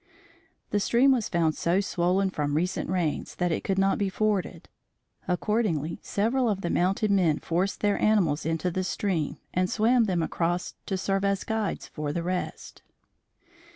The stream was found so swollen from recent rains that it could not be forded. Accordingly several of the mounted men forced their animals into the stream and swam them across to serve as guides for the rest.